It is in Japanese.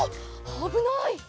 あぶない！